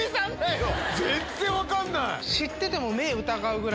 全然分かんない！